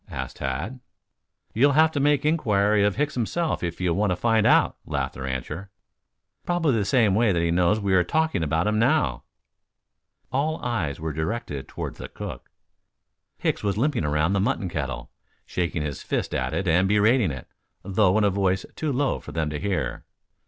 asked Tad. "You'll have to make inquiry of Hicks himself if you want to find out," laughed the rancher. "Probably the same way that he knows we are talking about him now." All eyes were directed toward the cook. Hicks was limping around the mutton kettle, shaking his fist at it and berating it, though in a voice too low for them to hear.